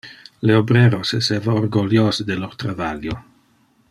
Le obreros esseva orgoliose de lor travalio.